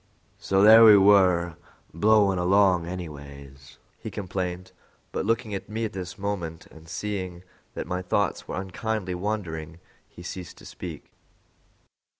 "So there we were blowin' along anyways," he complained; but looking at me at this moment, and seeing that my thoughts were unkindly wandering, he ceased to speak.